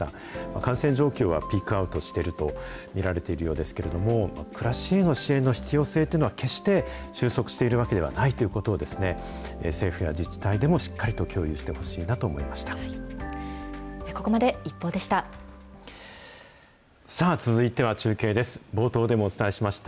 感染状況はピークアウトしてると見られているようですけれども、暮らしへの支援の必要性というのは、決して収束しているわけではないということを、政府や自治体でもしっかりと共有してほしいなと思いました。